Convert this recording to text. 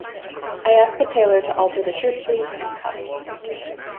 I asked the tailor to alter the shirt sleeves and cuffs.